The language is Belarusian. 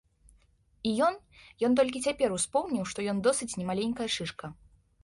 І ён, ён толькі цяпер успомніў, што ён досыць немаленькая шышка.